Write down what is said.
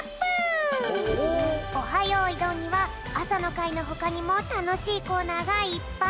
よいどん」にはあさのかいのほかにもたのしいコーナーがいっぱい！